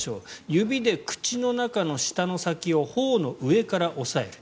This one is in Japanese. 指で口の中の舌の先を頬の上から押さえる。